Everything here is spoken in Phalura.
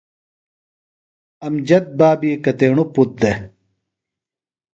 امجد بابی کتیݨوۡ پُتر دےۡ؟